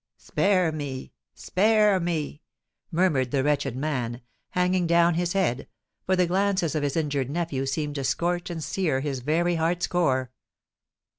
"Spare me—spare me!" murmured the wretched man, hanging down his head—for the glances of his injured nephew seemed to scorch and sear his very heart's core.